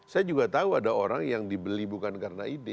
saya juga tahu ada orang yang dibeli bukan karena ide